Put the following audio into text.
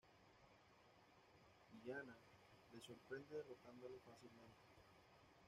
Illyana le sorprende derrotándolo fácilmente.